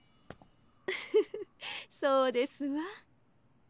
ウフフそうですわ。